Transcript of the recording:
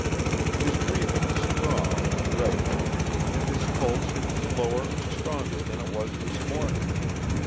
His breathing is strong and regular, and his pulse is slower and stronger than it was this morning.